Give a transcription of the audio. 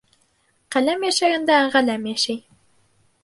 Ҡәләм йәшәгәндә ғаләм йәшәй.